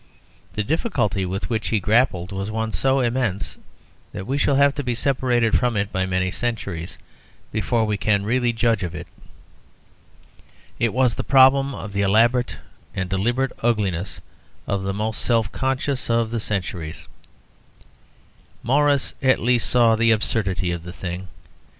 The difficulty with which he grappled was one so immense that we shall have to be separated from it by many centuries before we can really judge of it. It was the problem of the elaborate and deliberate ugliness of the most self conscious of centuries. Morris at least saw the absurdity of the thing.